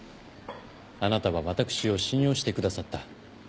あなたは私を信用してくださった。